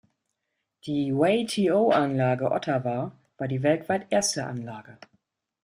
Die Wei-T'o-Anlage Ottawa war die weltweit erste Anlage.